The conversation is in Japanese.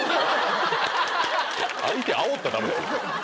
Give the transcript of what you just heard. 相手あおったダメですよ